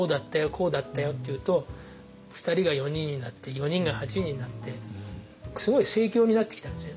こうだったよって言うと２人が４人になって４人が８人になってすごい盛況になってきたんですよ。